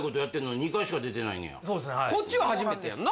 はいこっちは初めてやんな？